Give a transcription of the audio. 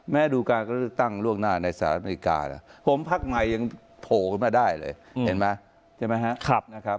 ดูการเลือกตั้งล่วงหน้าในสหรัฐอเมริกานะผมพักใหม่ยังโผล่ขึ้นมาได้เลยเห็นไหมใช่ไหมครับ